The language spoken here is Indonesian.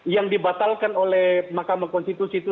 yang dibatalkan oleh mahkamah konstitusi itu